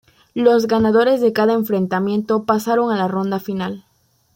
Los ganadores de cada enfrentamiento pasaron a la ronda final.